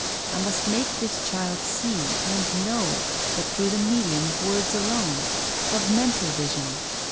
I must make this child see and know, but through the medium of words alone, of mental vision.